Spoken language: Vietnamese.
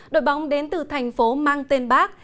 đội bóng đến từ thành phố mang tên bác